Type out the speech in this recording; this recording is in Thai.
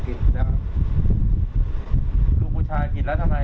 ดูผู้ชายผิดแล้วทำไม